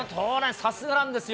さすがなんですよ。